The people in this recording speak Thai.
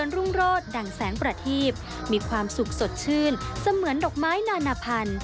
อย่างน้ำทรุกไม้นานพัน